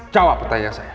jawab pertanyaan saya